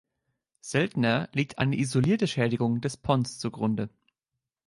Seltener liegt eine isolierte Schädigung des Pons zugrunde.